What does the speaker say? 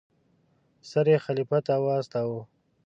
سر یې خلیفه ته واستاوه.